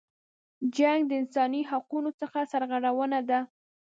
جنګ د انسانی حقونو څخه سرغړونه ده.